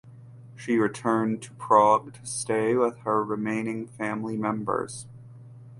She returned to Prague to stay with her remaining family members.